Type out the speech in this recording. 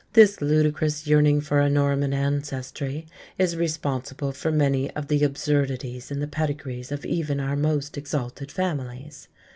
This ludicrous yearning for a Norman ancestry is responsible for many of the absurdities in the pedigrees of even our most exalted families.